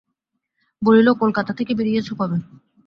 বলিল, কলকাতা থেকে বেরিয়েছ কবে?